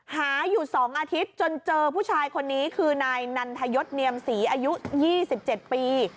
หาอยู่๒อาทิตย์จนเจอผู้ชายคนนี้คือนายนันทยศเนียมศรีอายุ๒๗ปี